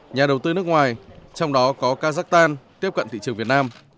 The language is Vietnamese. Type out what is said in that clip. nhà đầu tư nước ngoài trong đó có kazakhstan tiếp cận thị trường việt nam